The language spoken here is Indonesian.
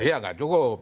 iya tidak cukup